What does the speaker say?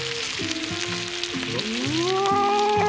うわ！